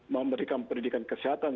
memberikan pendidikan kesehatan